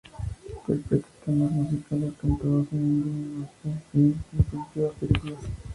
Interpreta temas musicales cantados en hindi y marathi, para sus respectivas películas.